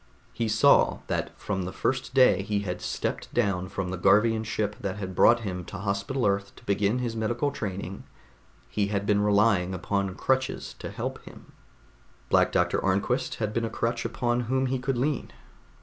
He saw that from the first day he had stepped down from the Garvian ship that had brought him to Hospital Earth to begin his medical training, he had been relying upon crutches to help him. Black Doctor Arnquist had been a crutch upon whom he could lean.